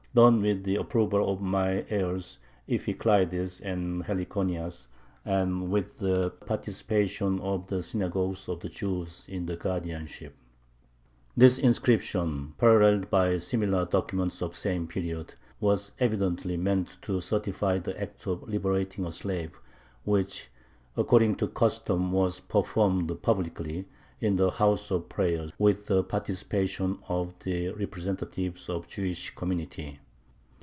[Done] with the approval of my heirs Iphicleides and Heliconias, and with the participation of the Synagogue of the Jews in the guardianship (συνεπιτροπευούσης δὲ καὶ τῆς συναγωγῆς τῶν Ἰουδαίων). This inscription, paralleled by a similar document of the same period, was evidently meant to certify the act of liberating a slave, which, according to custom, was performed publicly, in the "house of prayer," with the participation of the representatives of the Jewish community.